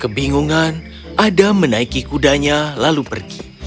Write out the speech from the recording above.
kebingungan adam menaiki kudanya lalu pergi